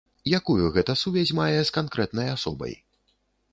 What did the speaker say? Якую гэта сувязь мае з канкрэтнай асобай?